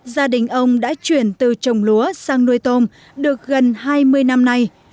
gia đình ông đã chuyển từ trồng lúa sang nuôi tôm được gần hai mươi năm nay